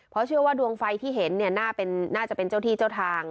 เพราะเชื่อว่าดวงไฟที่เห็นน่าจะเป็นเจ้าที่เจ้าทาง